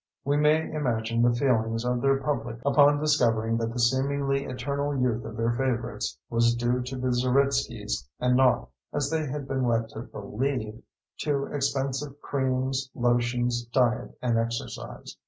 We may imagine the feelings of their public upon discovering that the seemingly eternal youth of their favorites was due to the Zeritskys and not, as they had been led to believe, to expensive creams, lotions, diet and exercise.